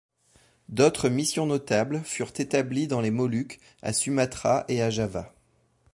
D'autres missions notables furent établies dans les Moluques, à Sumatra et à Java.